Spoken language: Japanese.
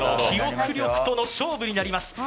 記憶力との勝負になります。